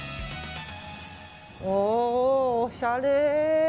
おお、おしゃれ。